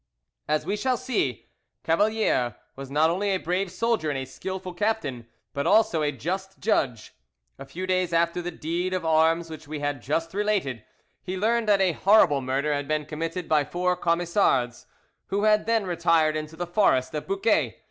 As we shall see, Cavalier was not only a brave soldier and a skilful captain, but also a just judge. A few days after the deed of arms which we have just related, he learned that a horrible murder had been committed by four Camisards, who had then retired into the forest of Bouquet.